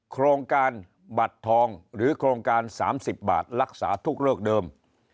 โครงการบัตรทองหรือโครงการ๓๐บาทรักษาทุกเลิกเดิม